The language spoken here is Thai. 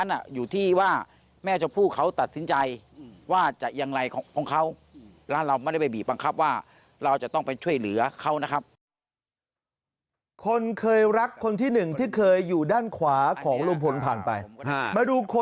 แล้วเราไม่ได้ไปบีบบังคับว่าเราจะต้องไปช่วยเหลือเขานะครับ